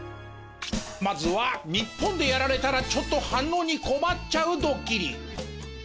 まずは日本でやられたらちょっと反応に困っちゃうドッキリ。